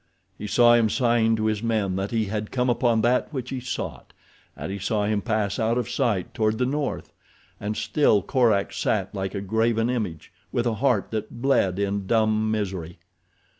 He saw him sign to his men that he had come upon that which he sought and he saw him pass out of sight toward the north, and still Korak sat like a graven image, with a heart that bled in dumb misery.